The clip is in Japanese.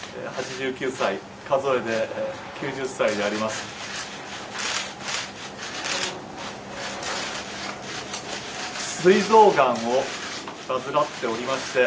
８９歳、数えで９０歳であります。